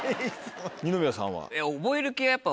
二宮さんは？